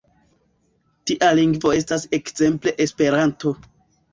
Tia lingvo estas ekzemple Esperanto.